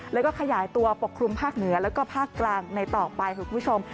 แล้วก็ขยายตัวปกคลุมภาคเหนือแล้วก็ภาคกลางในต่อไปค่ะคุณผู้ชม